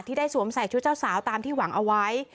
ได้สวมใส่ชุดเจ้าสาวตามที่หวังเอาไว้